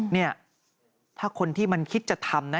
เนี่ยถ้าคนที่มันคิดจะทำนะ